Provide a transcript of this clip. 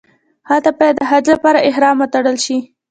هلته باید د حج لپاره احرام وتړل شي.